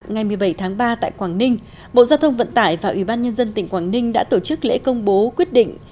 ngày một mươi bảy tháng ba tại quảng ninh bộ giao thông vận tải và ủy ban nhân dân tỉnh quảng ninh đã tổ chức lễ công bố quyết định